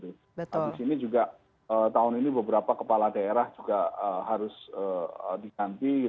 di sini juga tahun ini beberapa kepala daerah juga harus diganti